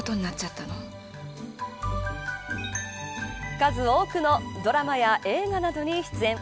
数多くのドラマや映画などに出演。